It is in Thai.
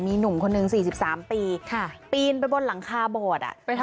มีหนุ่มคนหนึ่ง๔๓ปีปีนไปบนหลังคาโบสถ์